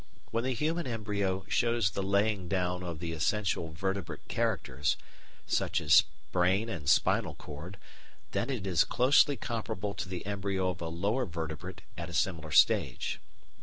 When the human embryo shows the laying down of the essential vertebrate characters, such as brain and spinal cord, then it is closely comparable to the embryo of a lower vertebrate at a similar stage.